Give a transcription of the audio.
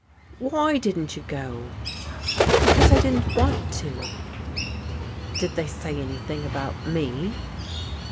Why didn't you go?" Because I didn't want to." " Did they say anything about me?